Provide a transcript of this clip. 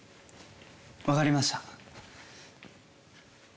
わかりました。